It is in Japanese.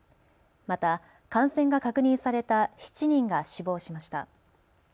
また感染が確認された７人が死亡しました。